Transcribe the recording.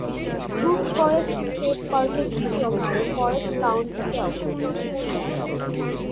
Cook forest state পার্কের কিছু অংশ ফরেস্ট কাউন্টিতে অবস্থিত।